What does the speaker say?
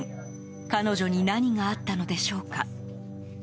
彼女に何があったのでしょうか？